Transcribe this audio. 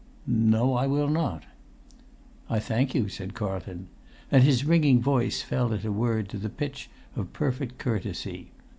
"No, I will not." "I thank you," said Carlton; and his ringing voice fell at a word to the pitch of perfect courtesy.